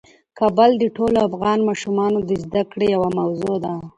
کابل د ټولو افغان ماشومانو د زده کړې یوه موضوع ده.